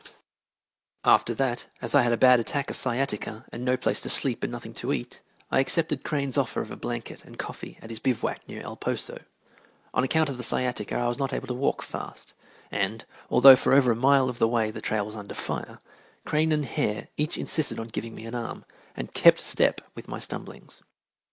The figure in the picture is standing in what remains of the trench] After that, as I had a bad attack of sciatica and no place to sleep and nothing to eat, I accepted Crane's offer of a blanket and coffee at his bivouac near El Poso. On account of the sciatica I was not able to walk fast, and, although for over a mile of the way the trail was under fire, Crane and Hare each insisted on giving me an arm, and kept step with my stumblings.